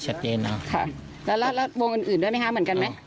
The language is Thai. ชัดเจนนะค่ะแล้วรถวงอื่นด้วยมั้ยคะเหมือนกันไหม